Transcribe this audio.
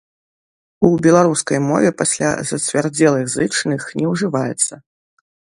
У беларускай мове пасля зацвярдзелых зычных не ўжываецца.